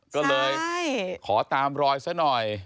ก็เลยขอตามรอยซะหน่อย